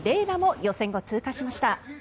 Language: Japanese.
楽も予選を通過しました。